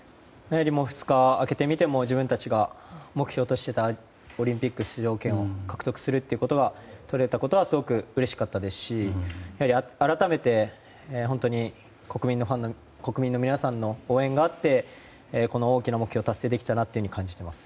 ２日、明けてみても自分たちが目標としていたオリンピック出場権を獲得することがとれたことはすごくうれしかったですし改めて、本当に国民の皆さんの応援があってこの大きな目標を達成できたなと感じています。